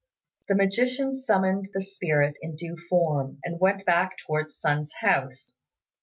The magician summoned the spirit in due form, and went back towards Sun's house.